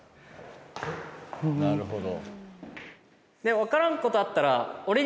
なるほど。